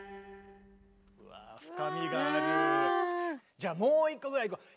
じゃあもう１個ぐらいいこう。